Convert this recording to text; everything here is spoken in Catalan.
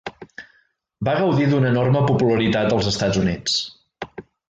Va gaudir d'una enorme popularitat als Estats Units.